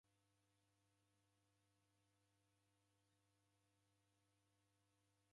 Kwaw'ededa agha malagho kwaw'eandika?